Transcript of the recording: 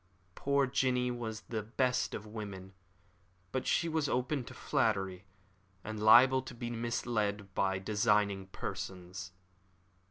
Poor Jinny was the best of women, but she was open to flattery, and liable to be misled by designing persons.